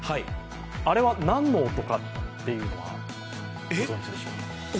あれは何の音かっていうのはご存じでしょうか。